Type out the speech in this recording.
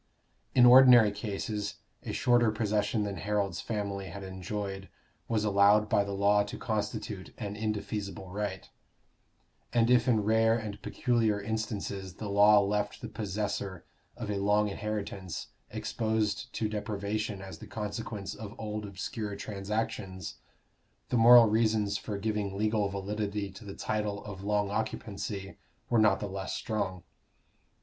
In ordinary cases a shorter possession than Harold's family had enjoyed was allowed by the law to constitute an indefeasible right; and if in rare and peculiar instances the law left the possessor of a long inheritance exposed to deprivation as the consequence of old obscure transactions, the moral reasons for giving legal validity to the title of long occupancy were not the less strong.